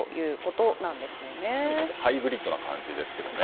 ハイブリッドな感じですけどね。